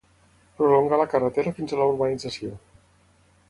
Prolongar la carretera fins a la urbanització.